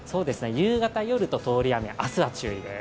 夕方、夜と通り雨、明日は注意です。